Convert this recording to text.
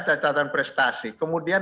catatan prestasi kemudian